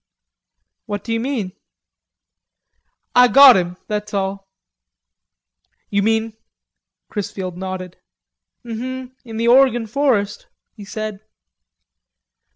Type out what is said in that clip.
"What do you mean?" "Ah got him, that's all." "You mean...?" Chrisfield nodded. "Um hum, in the Oregon forest," he said.